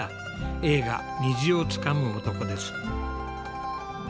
映画「虹をつかむ男」です。